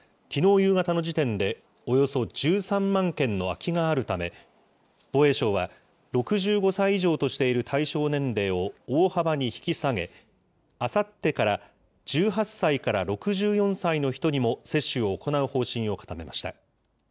夕方の時点でおよそ１３万件の空きがあるため、防衛省は、６５歳以上としている対象年齢を大幅に引き下げ、あさってから１８歳から６４歳の人にも接種を行う方針を固めました。